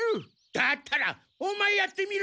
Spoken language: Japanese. だったらオマエやってみろ！